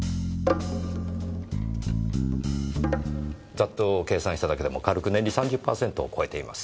ざっと計算しただけでも軽く年利３０パーセントを超えています。